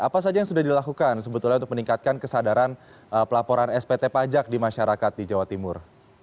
apa saja yang sudah dilakukan sebetulnya untuk meningkatkan kesadaran pelaporan spt pajak di masyarakat di jawa timur